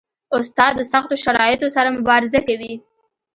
استاد د سختو شرایطو سره مبارزه کوي.